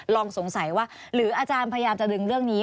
สงสัยว่าหรืออาจารย์พยายามจะดึงเรื่องนี้